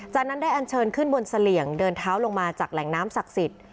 จากนั้นได้อันเชิญขึ้นบนเสลี่ยงเดินเท้าลงมาจากแหล่งน้ำศักดิ์สิทธิ์